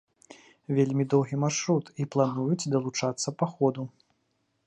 Вельмі доўгі маршрут, і плануюць далучацца па ходу.